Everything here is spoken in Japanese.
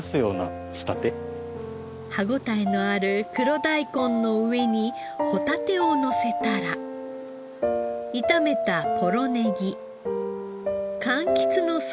歯応えのある黒大根の上にホタテをのせたら炒めたポロネギ柑橘のソースを重ねていきます。